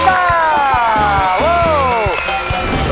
สวัสดีค่ะ